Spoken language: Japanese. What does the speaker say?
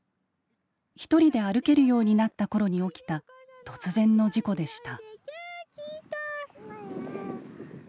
１人で歩けるようになった頃に起きた突然の事故でした。